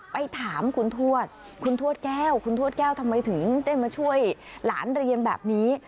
ไปถามคุณทวดคุณทวดแก้วคุณทวดแก้วทำไมถึงได้มาช่วยหลานเรียนแบบนี้